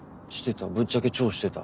ぶっちゃけ超してた。